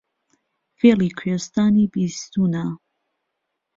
فێڵی کوێستانی بیستوونە